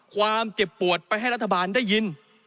ความเจ็บปวดไปให้รัฐบาลได้ยิน